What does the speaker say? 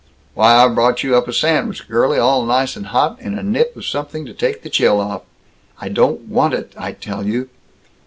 "Why, I've brought you up a sandwich, girlie, all nice and hot, and a nip of something to take the chill off." "I don't want it, I tell you!"